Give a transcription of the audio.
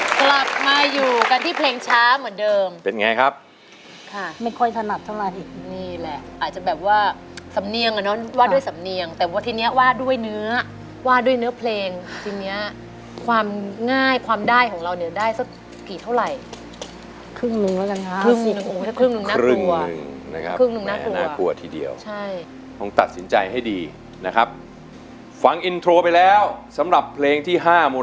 กลับมาอยู่กันที่เพลงช้าเหมือนเดิมเป็นไงครับค่ะไม่ค่อยสนับเท่าไหร่นี่แหละอาจจะแบบว่าสำเนียงอ่ะน้องว่าด้วยสำเนียงแต่ว่าที่เนี้ยว่าด้วยเนื้อว่าด้วยเนื้อเพลงที่เนี้ยความง่ายความได้ของเราเนี้ยได้สักกี่เท่าไหร่ครึ่งหนึ่งแล้วกันครับครึ่งหนึ่งครึ่งหนึ่งครึ่งหนึ่งครึ่งหนึ่งน่ากลั